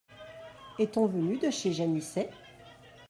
Est-on venu de chez Janisset ?